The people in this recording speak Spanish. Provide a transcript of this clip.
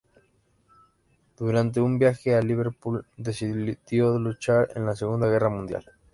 Durante un viaje a Liverpool, decidió luchar en la Segunda Guerra Mundial.